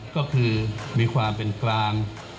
ก็คือมีความเป็นกลาง